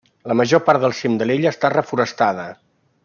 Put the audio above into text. La major part del cim de l'illa està reforestada.